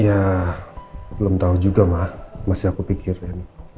ya belum tau juga mah masih aku pikirin